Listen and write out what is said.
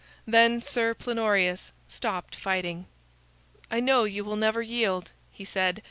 Then Sir Plenorius stopped fighting. "I know you will never yield," he said.